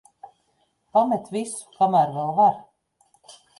Pamet visu, kamēr vēl var.